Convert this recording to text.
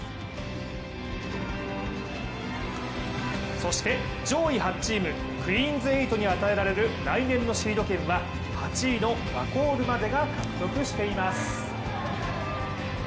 そして上位８チーム、クイーンズ８に与えられる来年のシード権は８位のワコールまでが獲得しています。